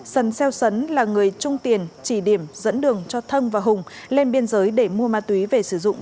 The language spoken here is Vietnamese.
sần xeo sấn là người trung tiền chỉ điểm dẫn đường cho thân và hùng lên biên giới để mua ma túy về sử dụng